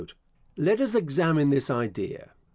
Let us examine this idea.